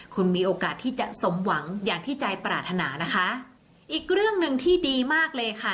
คุณมีโอกาสที่จะสมหวังอย่างที่ใจปรารถนานะคะอีกเรื่องหนึ่งที่ดีมากเลยค่ะ